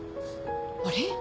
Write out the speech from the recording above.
あれ？